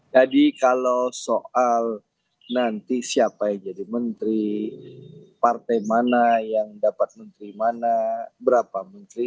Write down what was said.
jadi kalau soal nanti siapa yang jadi menteri partai mana yang dapat menteri mana berapa menteri